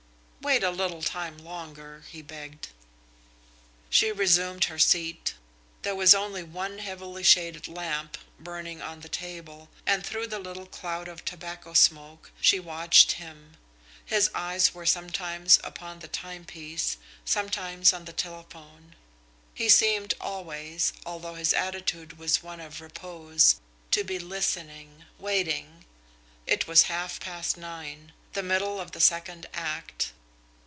"Wait a little time longer," he begged. She resumed her seat. There was only one heavily shaded lamp burning on the table, and through the little cloud of tobacco smoke she watched him. His eyes were sometimes upon the timepiece, sometimes on the telephone. He seemed always, although his attitude was one of repose, to be listening, waiting. It was half past nine the middle of the second act.